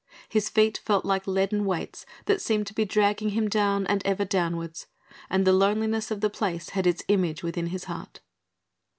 His feet felt like leaden weights that seemed to be dragging him down and ever downwards, and the loneliness of the place had its image within his heart.